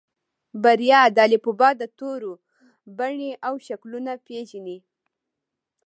بريا د الفبا د تورو بڼې او شکلونه پېژني.